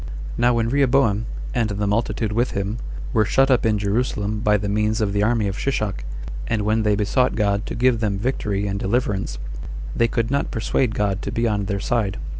3. Now when Rehoboam, and the multitude with him, were shut up in Jerusalem by the means of the army of Shishak, and when they besought God to give them victory and deliverance, they could not persuade God to be on their side.